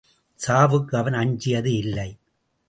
சாவுக்கு அவன் அஞ்சியது இல்லை.